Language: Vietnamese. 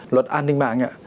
luật an ninh mạng ạ